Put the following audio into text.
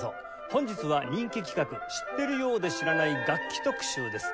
本日は人気企画知ってるようで知らない楽器特集です。